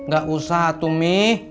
gak usah tuh mi